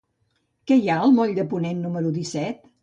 Què hi ha al moll de Ponent número disset?